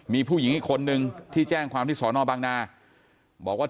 มีผู้หญิงอีกคนนึงที่แจ้งความที่สอนอบางนาบอกว่า